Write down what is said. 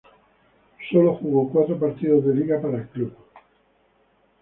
Solo jugó cuatro partidos de liga para el club.